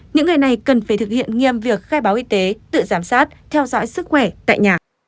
những người này cần phải thực hiện nghiêm việc khai báo y tế tự giám sát theo dõi sức khỏe tại nhà